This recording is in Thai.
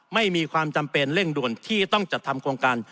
ไม่มีความจำเป็นเร่งด่วนที่ต้องจัดทำโครงการ